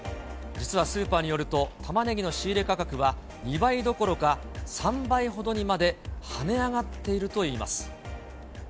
実はスーパーによると、タマネギの仕入れ価格は２倍どころか３倍ほどにまで跳ね上がっているといいます。